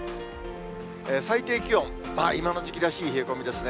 最低気温、今の時期らしい冷え込みですね。